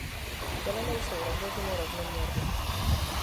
V těle nejsou rozloženy rovnoměrně.